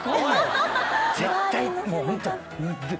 絶対もうホント。